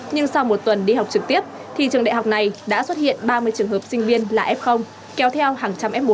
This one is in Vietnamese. nhưng sau một tuần đi học trực tiếp thì trường đại học này đã xuất hiện ba mươi trường hợp sinh viên là f kéo theo hàng trăm f một